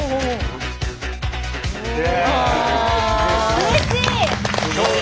うれしい！